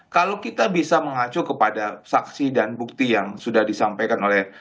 kalau kita bisa mengacu kepada saksi dan bukti yang sudah disampaikan oleh